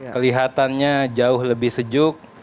kelihatannya jauh lebih sejuk